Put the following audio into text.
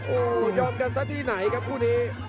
โอ้โหยอมกันซะที่ไหนครับคู่นี้